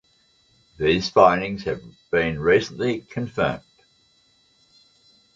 These findings have been recently confirmed.